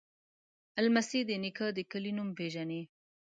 لمسی د نیکه د کلي نوم پیژني.